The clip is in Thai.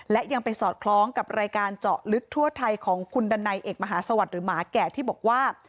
และยังไปสอดคล้องกับรายการเจาะลึกทั่วไทยของคุณดันัยเอกมหาสวัสดิ์หรือหมาแก่ที่บอกว่า